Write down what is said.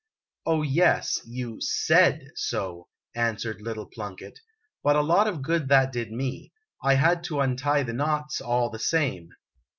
" Oh, yes ! You said so," answered little Plunkett, "but a lot of good that did me ! I had to untie the knots, all the same."